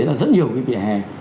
là rất nhiều cái vỉa hè